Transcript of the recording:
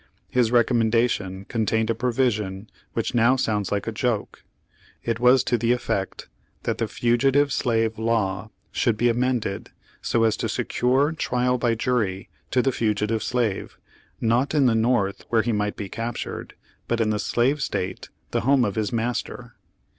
His recommendation con tained a provision which now sounds like a joke. It was to the effect that the Fugitive Slave Law should be amended so as to secure trial by jury to the fugitive slave, not in the North where he might be captured, but in the slave State, the home of his master.